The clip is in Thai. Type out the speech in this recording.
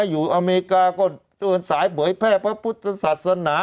อยู่อเมริกาก็ตื่นสายบรวยแพร่พระพุทธศาสนา